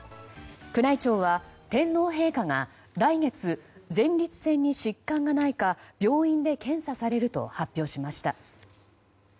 宮内庁は、天皇陛下が来月前立腺に疾患がないか病院で検査されると発表しました。